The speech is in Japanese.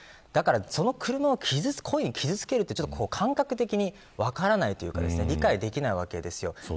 その車を故意に傷つけるって感覚的に分からないというか理解できないわけです。